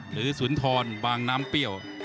สุนทรบางน้ำเปรี้ยว